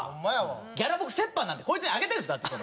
ギャラ僕折半なんでこいつにあげてるんですよ。